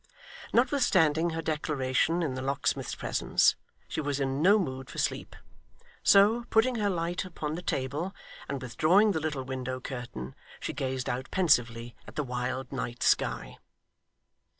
Notwithstanding her declaration in the locksmith's presence, she was in no mood for sleep; so, putting her light upon the table and withdrawing the little window curtain, she gazed out pensively at the wild night sky.